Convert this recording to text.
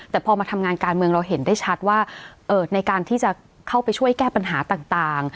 แต่พอมาทำงานการเมืองเราเห็นได้ชัดว่าในการที่จะเข้าไปช่วยแก้ปัญหาต่าง